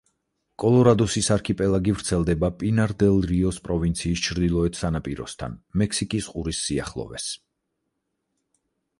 კოლორადოსის არქიპელაგი ვრცელდება პინარ-დელ-რიოს პროვინციის ჩრდილოეთ სანაპიროსთან, მექსიკის ყურის სიახლოვეს.